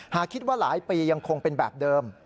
หากคิดว่าหลายปียังคงเป็นแบบเดิม